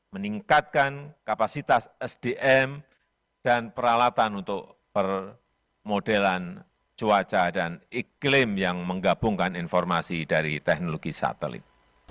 meningkatkan kapasitas sdm dan peralatan untuk permodelan cuaca dan iklim yang menggabungkan informasi dari teknologi satelit